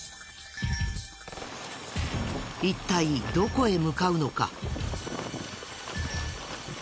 一体どこへ向かうのか？